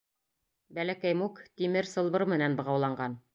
Бәләкәй Мук тимер сылбыр менән бығауланған.